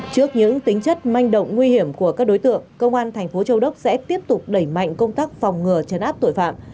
trước những tính chất manh động nguy hiểm của các đối tượng công an thành phố châu đốc sẽ tiếp tục đẩy mạnh công tác phòng ngừa chấn áp tội phạm